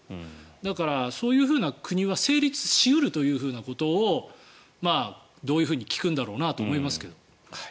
だから、そういう国は成立し得るということでどういうふうに聞くんだろうと思いますけど。